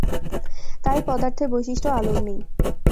তাই পদার্থের বৈশিষ্ট্য আলোর নেই।